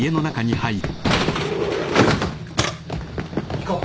・行こう。